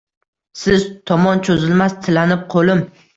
Siz tomon cho‘zilmas tilanib qo‘lim